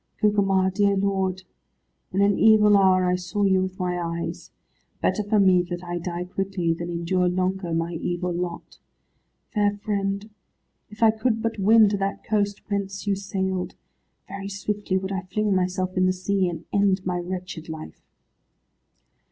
"Gugemar, dear lord, in an evil hour I saw you with my eyes. Better for me that I die quickly, than endure longer my evil lot. Fair friend, if I could but win to that coast whence you sailed, very swiftly would I fling myself in the sea, and end my wretched life."